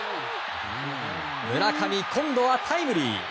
村上、今度はタイムリー。